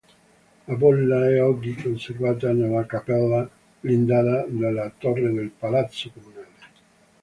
La bolla è oggi conservata nella cappella blindata della torre del Palazzo Comunale.